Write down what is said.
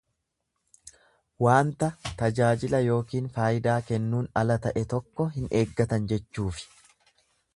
Waanta tajaajila ykn faayidaa kennuun ala ta'e tokko hin eeggatan jechuufi.